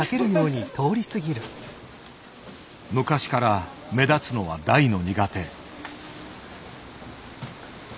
昔から目立つのは大の苦手。